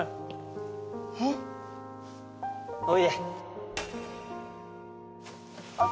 えっおいであっ